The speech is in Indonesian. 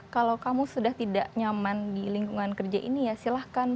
kalau kamu sudah tidak nyaman di lingkungan kerja ini ya silahkan